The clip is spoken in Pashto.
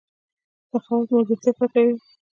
سخاوت ملګرتیا کلکوي.